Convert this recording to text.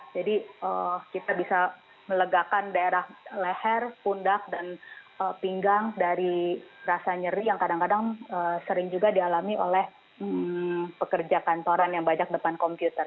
jadi kita bisa melegakan daerah leher pundak dan pinggang dari rasa nyeri yang kadang kadang sering juga dialami oleh pekerja kantoran yang banyak depan komputer